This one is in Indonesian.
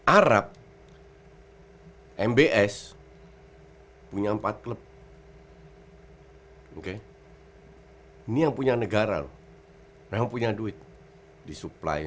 arab mbs punya empat klub oke ini yang punya negara yang punya duit disuplai